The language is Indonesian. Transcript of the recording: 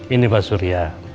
ini pak surya